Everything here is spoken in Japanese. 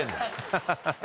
ハハハハ。